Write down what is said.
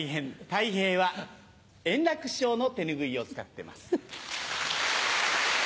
たい平は円楽師匠の手拭いを使ってます。